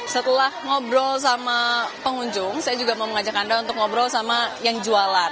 setelah ngobrol sama pengunjung saya juga mau mengajak anda untuk ngobrol sama yang jualan